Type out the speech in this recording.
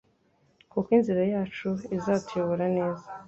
kuko inzira yacu izatuyobora neza